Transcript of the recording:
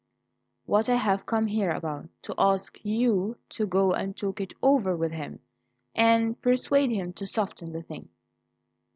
"What I have come here about: to ask you to go and talk it over with him and persuade him to soften the thing."